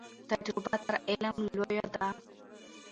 تجربه تر علم لویه ده.